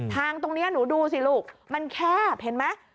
ทางตรงนี้หนูดูสิลูกมันแคบเห็นไหม